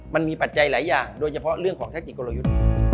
ปัจจัยหลายอย่างโดยเฉพาะเรื่องของแทคติกลยุทธ์